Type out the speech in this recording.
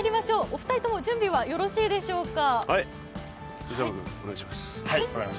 お二人とも準備はよろしいでしょうか。